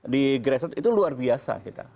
di grassroot itu luar biasa kita